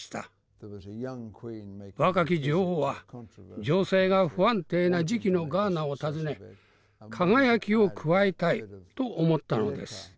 若き女王は情勢が不安定な時期のガーナを訪ね輝きを加えたいと思ったのです。